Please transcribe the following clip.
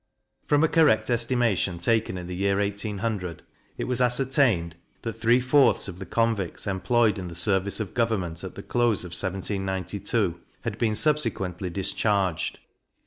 From a correct estimation taken in the year 1800, it was ascertained that three fourths of the convicts employed in the service of government at the close of 1792, had been subsequently discharged.